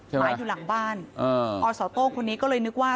หมายอยู่หลังบ้านอสโต้งคนนี้ก็เลยนึกว่า